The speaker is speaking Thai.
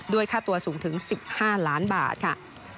ค่าตัวสูงถึง๑๕ล้านบาทค่ะ